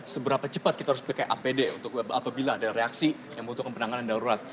seberapa cepat kita harus pakai apd untuk apabila ada reaksi yang membutuhkan penanganan darurat